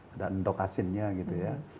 ada endok asin nya gitu ya